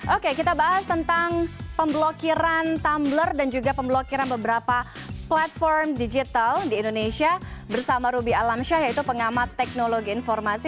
oke kita bahas tentang pemblokiran tumbler dan juga pemblokiran beberapa platform digital di indonesia bersama ruby alamsyah yaitu pengamat teknologi informasi